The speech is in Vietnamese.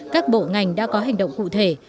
các bộ ngành đã có hành động cụ thể